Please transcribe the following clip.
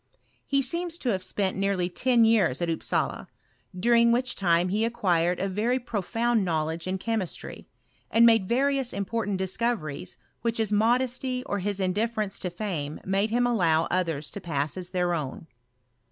He seems to have lis^nt nearly ten years at Upsala, during which time jbe acquired a very profound knowledge in chemistry, and made various important discoveries, which his modesty or his indifference to fame made him allow nthers to pass as their own.